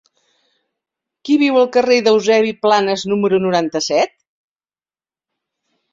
Qui viu al carrer d'Eusebi Planas número noranta-set?